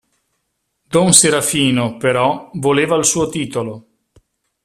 Don Serafino, però, voleva il suo titolo.